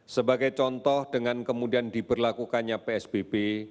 sebagai contoh dengan kemudian diberlakukannya psbb